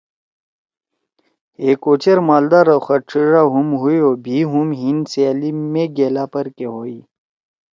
ہے کو چیر مالدا او خط چھیِڙیلہُم ہُوئیا بھی ہُم ہیِن سیالی مے گیلا پرکے ہویی۔